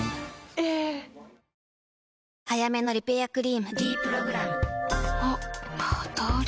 早めのリペアクリーム「ｄプログラム」あっ肌あれ？